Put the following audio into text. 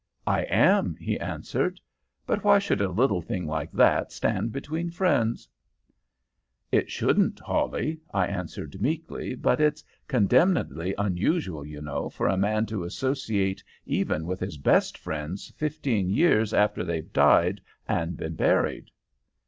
"'I am,' he answered. 'But why should a little thing like that stand between friends?' "'It shouldn't, Hawley,' I answered, meekly; 'but it's condemnedly unusual, you know, for a man to associate even with his best friends fifteen years after they've died and been buried.'